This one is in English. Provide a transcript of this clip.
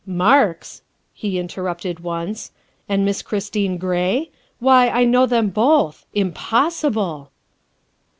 " Marks," he interrupted once, " and Miss Christine Gray? Why, I know them both. Impossible!"